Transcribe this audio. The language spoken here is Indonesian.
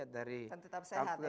dan tetap sehat ya